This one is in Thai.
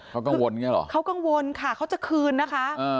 เขากังวลอย่างนี้หรอเขากังวลค่ะเขาจะคืนนะคะ